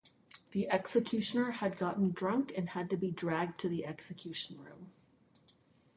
The executioner had gotten drunk and had to be dragged to the execution room.